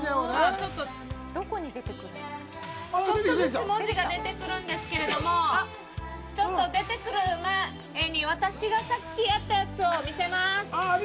ちょっとずつ文字が出てくるんですけどちょっと出てくる前に私が先にやったやつを見せます。